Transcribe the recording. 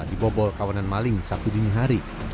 dibobol kawanan maling sabtu dini hari